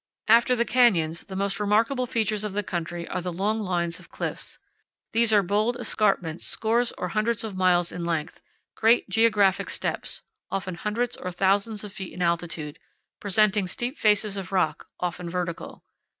After the canyons, the most remarkable features of the country are the long lines of cliffs. These are bold escarpments scores or hundreds of miles in length, great geographic steps, often hundreds or thousands of feet in altitude, presenting steep faces of rock, often vertical.